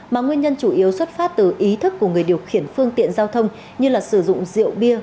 mà nguyên nhân chủ yếu xuất phát từ ý thức của người điều khiển phương tiện giao thông như sử dụng rượu bia